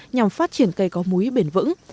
nhằm phát triển cây có múi bền vững